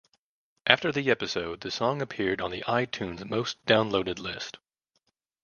After the episode, the song appeared on the iTunes most downloaded list.